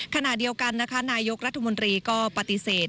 ขณะเดียวกันนะคะนายกรัฐมนตรีก็ปฏิเสธ